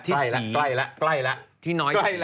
ที่น้อยสี่